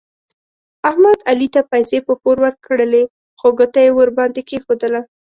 احمد علي ته پیسې په پور ورکړلې خو ګوته یې ور باندې کېښودله.